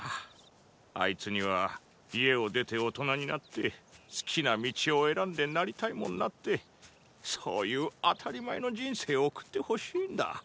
あいつには家を出て大人になって好きな道を選ンでなりたいもンなってそういう当たり前の人生を送って欲しいンだ。